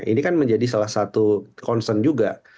ini kan menjadi salah satu concern juga